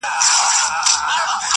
ستا شاعرۍ ته سلامي كومه,